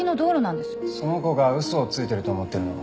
その子が嘘をついてると思ってるのか？